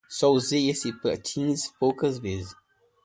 Só usei estes patins poucas vezes.